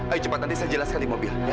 ayo cepetan desa jelaskan di mobil ya